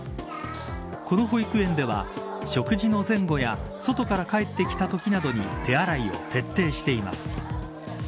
この保育園では、食事の前後や外から帰ってきたときなどに手洗いを徹底しています。